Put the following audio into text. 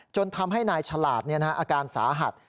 จนทำให้นายฉลาดเนี่ยนะฮะอาการสาหัส